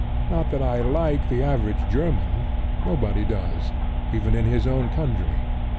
Not that I like the average German: nobody does, even in his own country.